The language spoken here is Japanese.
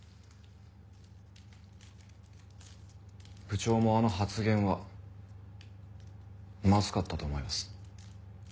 部長もあの発言はまずかったと思います。